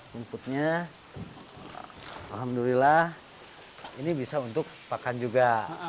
rumputnya alhamdulillah ini bisa untuk pakan juga